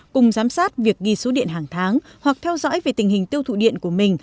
cùng giám sát việc ghi số điện hàng tháng hoặc theo dõi về tình hình tiêu thụ điện của mình